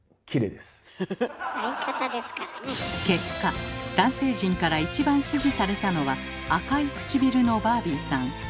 結果男性陣から一番支持されたのは赤いくちびるのバービーさん。